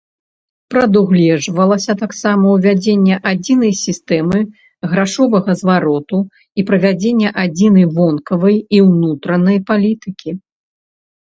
Прадугледжвалася таксама ўвядзенне адзінай сістэмы грашовага звароту і правядзенне адзінай вонкавай і ўнутранай палітыкі.